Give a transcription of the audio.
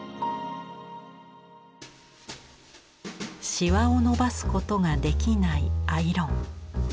しわを伸ばすことができないアイロン。